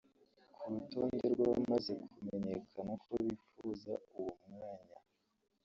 Ku rutonde rw’abamaze kumenyekana ko bifuza uwo mwanya